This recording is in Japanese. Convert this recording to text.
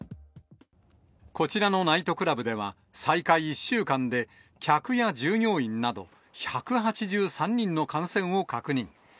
こちらのナイトクラブでは、再開１週間で、客や従業員など１８３人の感染を確認。